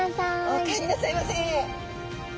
お帰りなさいませ！